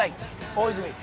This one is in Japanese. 大泉。